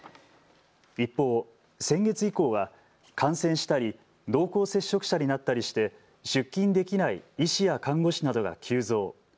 一方、先月以降は感染したり濃厚接触者になったりして出勤できない医師や看護師などが急増。